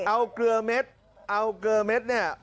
เอาเกลือเม็ดเอาเกลือเม็ดเนี่ย